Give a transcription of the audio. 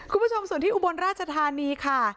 คุณผู้ชมส่วนที่อุบลราชธานีค่ะ